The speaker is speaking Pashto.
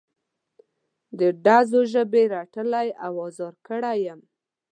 د ډزو ژبې رټلی او ازار کړی یم.